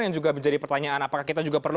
yang juga menjadi pertanyaan apakah kita juga perlu